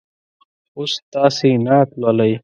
اوس تاسې نعت لولئ.